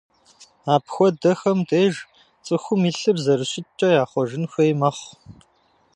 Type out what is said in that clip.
Апхуэдэхэм деж цӏыхум и лъыр зэрыщыткӏэ яхъуэжын хуей мэхъу.